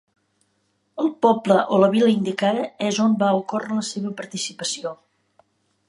El poble o la vila indicada és on va ocórrer la seva participació.